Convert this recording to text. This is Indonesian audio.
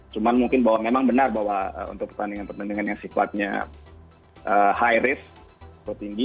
cuma mungkin bahwa memang benar bahwa untuk pertandingan pertandingan yang sifatnya high risk atau tinggi